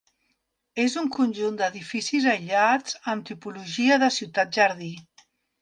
És un conjunt d'edificis aïllats amb tipologia de ciutat-jardí.